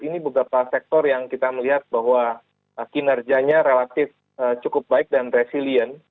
ini beberapa sektor yang kita melihat bahwa kinerjanya relatif cukup baik dan resilient